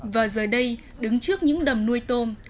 và giờ đây đứng trước những đầm nuôi tôm